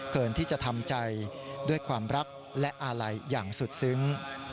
ที่จะทำใจด้วยความรักและอาลัยอย่างสุดซึ้ง